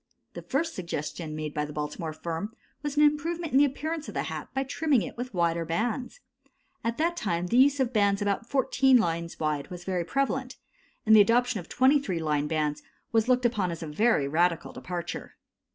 The first suggestion made by the Baltimore firm was an improvement in the appearance of the hat by trimming it with wider bands. At that time the use of bands about 14 lines wide was prevalent, and the adoption of 23 line bands was looked upon as a very radical departure.